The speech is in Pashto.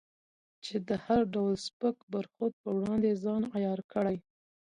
چې د هر ډول سپک برخورد پر وړاندې ځان عیار کړې.